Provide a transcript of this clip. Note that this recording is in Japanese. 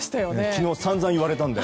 昨日、散々言われたんで。